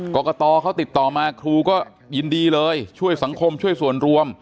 กรกตเขาติดต่อมาครูก็ยินดีเลยช่วยสังคมช่วยส่วนรวม